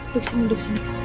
duduk sini duduk sini